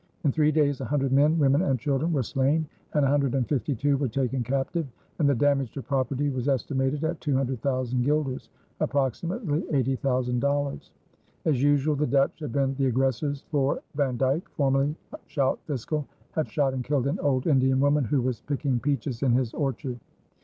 In three days a hundred men, women, and children were slain, and a hundred and fifty two were taken captive, and the damage to property was estimated at two hundred thousand guilders approximately eighty thousand dollars. As usual the Dutch had been the aggressors, for Van Dyck, formerly schout fiscaal, had shot and killed an old Indian woman who was picking peaches in his orchard.